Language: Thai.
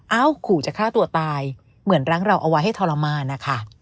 ขู่จะฆ่าตัวตายเหมือนรั้งเราเอาไว้ให้ทรมานนะคะ